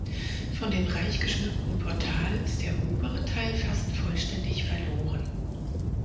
Von dem reich geschmückten Portal ist der obere Teil fast vollständig verloren.